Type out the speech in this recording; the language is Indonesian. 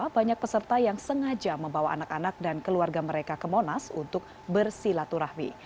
banyak peserta yang sengaja membawa anak anak dan keluarga mereka ke monas untuk bersilaturahmi